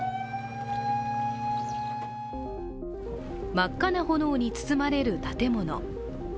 真っ赤な炎に包まれる建物。